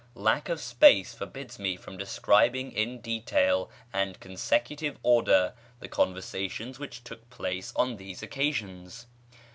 Lack of space forbids me from describing in detail and consecutive order the conversations which took place on these occasions.